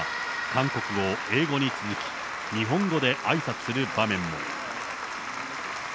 韓国語、英語に続き、日本語であいさつする場面も。